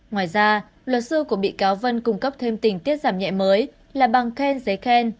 ngoài ra luật sư của bị cáo vân cung cấp thêm tình tiết giảm nhẹ mới là bằng khen giấy khen